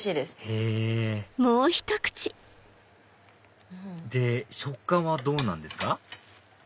へぇで食感はどうなんですか？